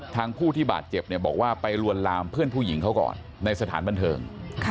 ผู้ที่บาดเจ็บบอกว่าไปลวนลามเพื่อนผู้หญิงเขาก่อนในสถานบันเทิง